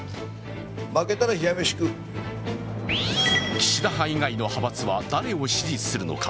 岸田派以外の派閥は誰を支持するのか。